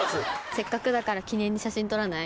せっかくだから記念に写真撮らない？